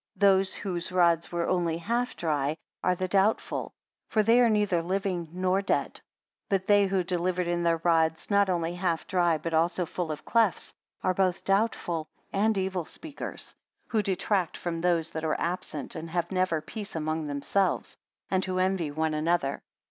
Those whose rods were only half dry, are the doubtful; for they are neither living nor dead. 57 But they who delivered in their rods, not only half dry but also full of clefts, are both doubtful and evil speakers; who detract from those that are absent, and have never peace among themselves, and who envy one another.